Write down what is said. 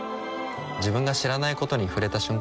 自分が知らないことに触れた瞬間